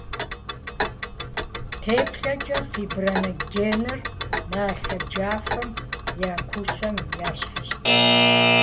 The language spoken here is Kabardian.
Теплъэкӏэ фибриногеныр налъэ джафэм е кусэм ещхьщ.